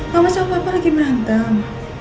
mama sama papa lagi berantem